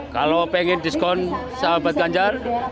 kalau pengen diskon sahabat ganjar